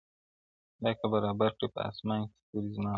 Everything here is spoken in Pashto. خدای که برابر کړي په اسمان کي ستوري زما و ستا,